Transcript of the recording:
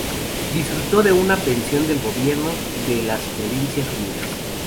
Disfrutó de una pensión del gobierno de las Provincias Unidas.